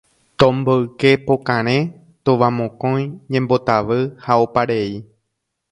Tomboyke pokarẽ, tovamokõi, ñembotavy ha oparei